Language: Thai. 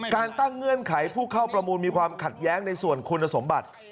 การตั้งเงื่อนไขผู้เข้าประมูลมีความขัดแย้งในส่วนคุณสมบัติ